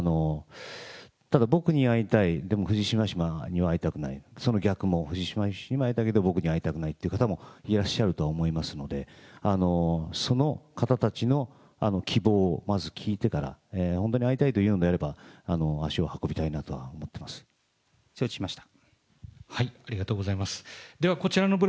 ただ、僕に会いたい、でも藤島氏には会いたくない、その逆も、藤島氏には会いたいけれども、僕には会いたくないという方もいらっしゃるとは思いますので、その方たちの希望をまず聞いてから、本当に会いたいというのであれば、承知しました。